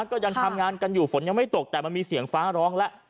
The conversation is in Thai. ก็ยังทำงานกันอยู่ฝนยังไม่ตกแต่มันมีเสียงฟ้าร้องแล้ว